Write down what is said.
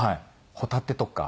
ホタテとか。